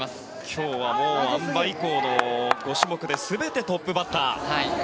今日はあん馬以降の５種目で全てトップバッター。